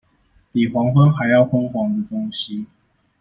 比黃昏還要昏黃的東西